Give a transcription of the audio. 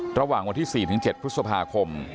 ระหว่างวันที่๔๗พฤษภาคม